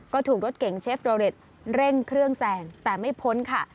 ก็ถูกรถเก๋งเชฟโรเล็ตเร่งเครื่องแซงแต่ไม่พ้นค่ะ